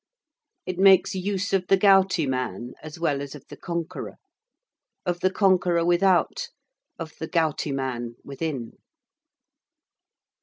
It makes use of the gouty man as well as of the conqueror; of the conqueror without, of the gouty man within.